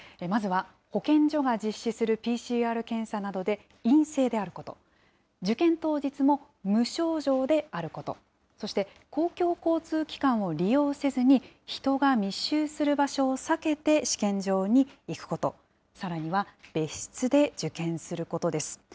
まずは保健所が実施するＰＣＲ検査などで陰性であること、受験当日も無症状であること、そして公共交通機関を利用せずに、人が密集する場所を避けて試験場に行くこと、さらには、別室で受験することです。